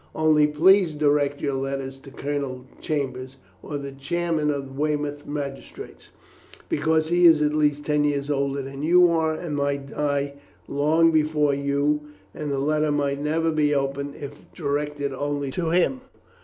Only please direct your letters to 'Colonel Chambers, or the Chairman of the Weymouth magistrates,' because he is at least ten years older than you are, and might die long before you, and the letter might never be opened if directed only to him."